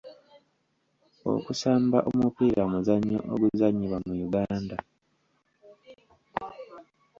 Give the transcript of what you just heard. Okusamba omupiira muzannyo oguzannyibwa mu Uganda.